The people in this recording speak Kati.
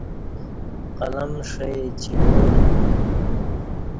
قلم ݜی چیوالی بی